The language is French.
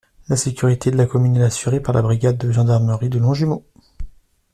La sécurité de la commune est assurée par la brigade de gendarmerie de Longjumeau.